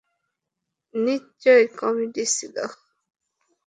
নিশ্চয় কমেডি ছিল।